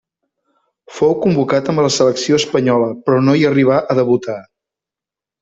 Fou convocat amb la selecció espanyola però no hi arribà a debutar.